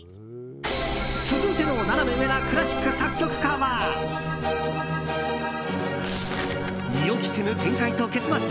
続いてのナナメ上なクラシック作曲家は予期せぬ展開と結末！